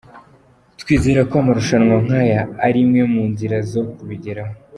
Twizera ko amarushanwa nkaya ari imwe mu nzira zo kubigeraho.